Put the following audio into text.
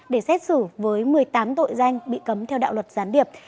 để xét xử với một mươi tám tội danh bị cấm theo đạo luật gián điệp